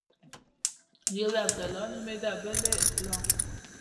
يو يې عبدالله نومېده بل يې اسلام.